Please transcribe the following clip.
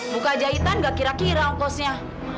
buka jahitan gak kira kira ongkosnya